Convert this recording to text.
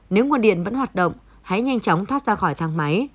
nếu nguồn điện vẫn hoạt động hãy nhanh chóng thoát ra khỏi thang máy